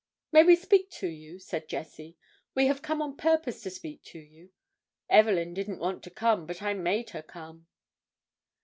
"May we speak to you?" said Jessie. "We have come on purpose to speak to you. Evelyn didn't want to come, but I made her come."